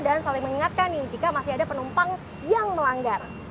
dan saling mengingatkan ini jika masih ada penumpang yang melanggar